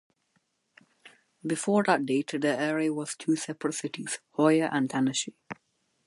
Before that date, the area was two separate cities Hoya and Tanashi.